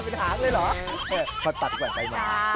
เป็นหางเลยเหรอพอตัดแกว่งไปมา